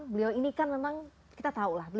beliau ini kan memang kita tahu lah